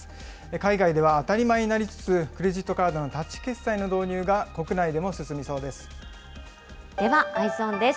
海外では当たり前になりつつあるクレジットカードのタッチ決済のではＥｙｅｓｏｎです。